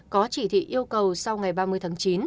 có chỉ thị yêu cầu sau ngày ba mươi tháng chín